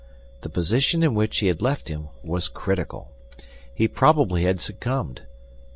The position in which he had left him was critical. He probably had succumbed.